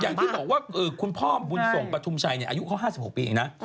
อย่างที่บอกว่าคุณพ่อบุญส่งปฐุมชัยอายุเขา๕๖ปีเองนะ